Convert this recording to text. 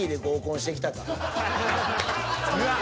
うわっ！